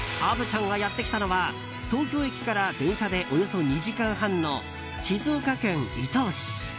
虻ちゃんがやってきたのは東京駅から電車でおよそ２時間半の静岡県伊東市。